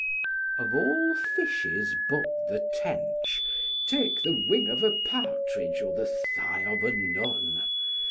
Of all fishes but the tench take the wing of a partridge or the thigh of a nun.